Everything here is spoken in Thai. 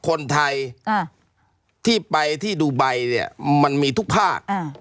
คนไทยที่ไปที่ดูไบเนี่ยมันมีทุกภาค